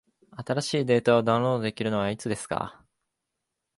新しいデータをダウンロードできるのはいつですか？